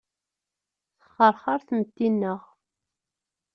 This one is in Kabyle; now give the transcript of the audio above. Texxerxer tmetti-nneɣ.